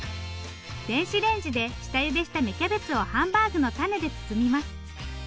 電子レンジで下ゆでした芽キャベツをハンバーグのたねで包みます。